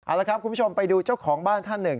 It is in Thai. เอาละครับคุณผู้ชมไปดูเจ้าของบ้านท่านหนึ่ง